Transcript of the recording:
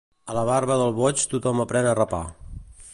A la barba del boig tothom aprèn a rapar.